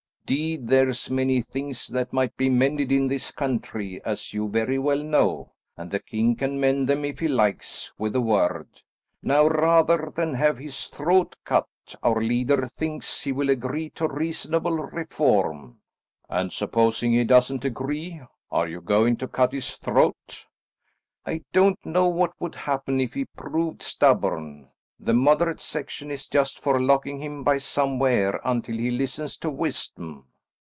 "'Deed there's many things that might be mended in this country, as you very well know, and the king can mend them if he likes, with a word. Now rather than have his throat cut, our leader thinks he will agree to reasonable reform." "And supposing he doesn't agree, are you going to cut his throat?" "I don't know what would happen if he proved stubborn. The moderate section is just for locking him by somewhere until he listens to wisdom."